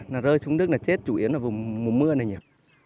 nó rơi xuống nước là chết chủ yếu là mùa mưa này nhỉ